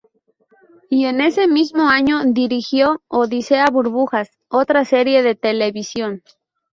Y en ese mismo año dirigió "Odisea Burbujas", otra serie de televisión.